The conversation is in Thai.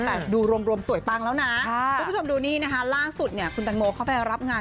แต่ดูรวมสวยปังแล้วนะคุณผู้ชมดูนี่นะคะล่าสุดเนี่ยคุณตังโมเข้าไปรับงาน